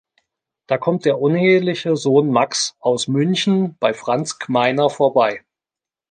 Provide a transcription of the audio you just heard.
Da kommt der uneheliche Sohn Max aus München bei Franz Gmeiner vorbei.